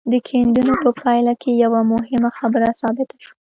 د کيندنو په پايله کې يوه مهمه خبره ثابته شوه.